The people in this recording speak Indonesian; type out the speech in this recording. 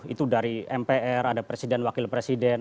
itu dari mpr ada presiden wakil presiden